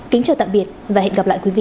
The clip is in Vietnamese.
kính chào tạm biệt và hẹn gặp lại quý vị